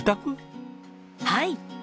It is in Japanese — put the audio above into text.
はい。